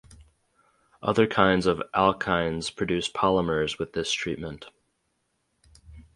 Other kinds of alkynes produced polymers with this treatment.